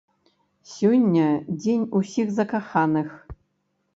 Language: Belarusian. Сёння дзень усіх закаханых.